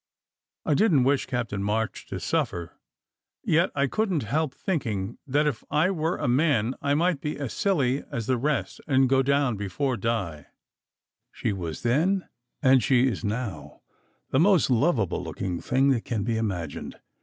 I didn t wish Captain March to suffer, yet I couldn t help thinking that if I were a man I might be as silly as the rest and go down before Di. She was then and she is now the most lovable looking thing that can be imagined.